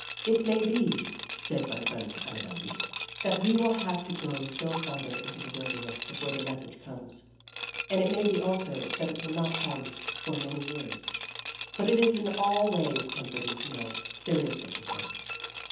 "It may be," said my friend Annabel Lee, "that we will have to go still farther into the wilderness before the message comes, and it may be also that it will not come for many years. "But it is in all ways comforting to know there is such a thing."